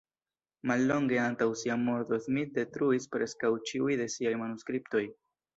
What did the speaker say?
Mallonge antaŭ sia morto Smith detruis preskaŭ ĉiuj de siaj manuskriptoj.